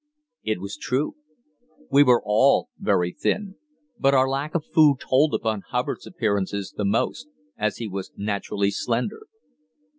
It was true. We were all very thin, but our lack of food told upon Hubbard's appearance the most, as he was naturally slender.